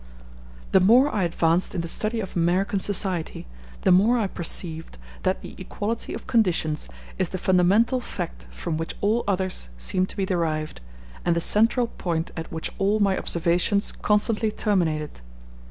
The more I advanced in the study of American society, the more I perceived that the equality of conditions is the fundamental fact from which all others seem to be derived, and the central point at which all my observations constantly terminated.